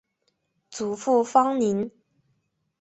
祖父方宁。